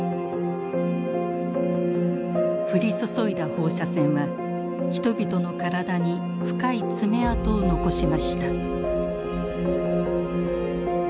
降り注いだ放射線は人々の体に深い爪痕を残しました。